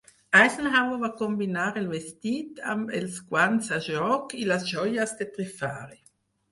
Eisenhower va combinar el vestit amb els guants a joc i les joies de Trifari.